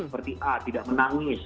seperti a tidak menangis